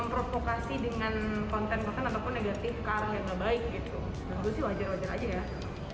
menurut gue sih wajar wajar aja ya